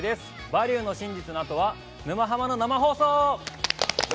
「バリューの真実」のあとは「沼ハマ」の生放送！